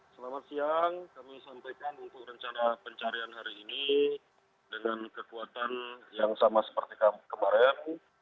selamat siang kami sampaikan untuk rencana pencarian hari ini dengan kekuatan yang sama seperti kemarin